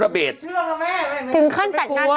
เรียบคุย